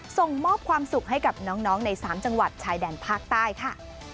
ส่งมอบความสุขให้กับน้องใน๓จังหวัดชายแดนภาคใต้ค่ะ